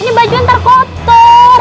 ini baju yang terkotor